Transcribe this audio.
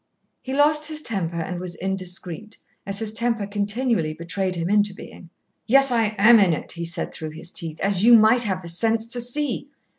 He lost his temper and was indiscreet, as his temper continually betrayed him into being. "Yes, I am in it," he said through his teeth, "as you might have the sense to see.